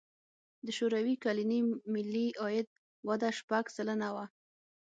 د شوروي کلني ملي عاید وده شپږ سلنه وه.